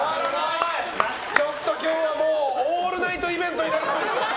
ちょっと今日はオールナイトイベントになります。